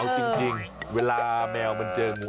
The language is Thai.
เอาจริงเวลาแมวมันเจองู